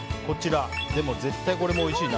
でも絶対こっちもおいしいな。